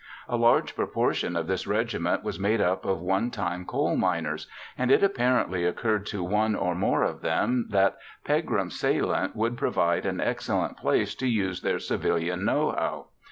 A large proportion of this regiment was made up of onetime coal miners, and it apparently occurred to one or more of them that Pegram's Salient would provide an excellent place to use their civilian knowhow.